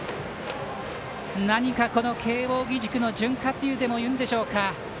何か慶応義塾の潤滑油とでもいうのでしょうか。